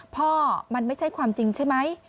พ่อมันไม่ใช่ความจริงใช่ไหม